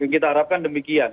kita harapkan demikian